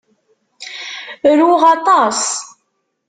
Ruɣ aṭas.